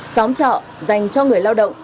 xóm trọ dành cho người lao động